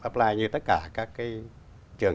apply như tất cả các trường